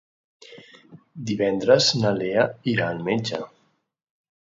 Divendres na Lea irà al metge.